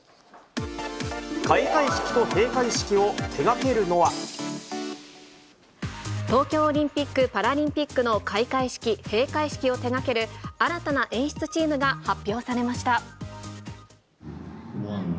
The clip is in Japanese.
開会式と閉会式を手がけるの東京オリンピック・パラリンピックの開会式、閉会式を手がける新たな演出チームが発表されました。